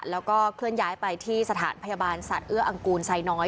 แล้วก็เคลื่อนย้ายไปที่สถานพยาบาลสัตว์เอื้ออังกูลไซน้อย